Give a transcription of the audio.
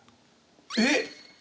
えっ！